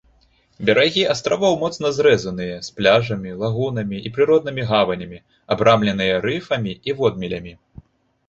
Берагі астравоў моцна зрэзаныя, з пляжамі, лагунамі і прыроднымі гаванямі, абрамленыя рыфамі і водмелямі.